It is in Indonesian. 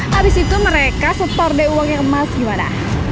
habis itu mereka setor deh uangnya emas gimana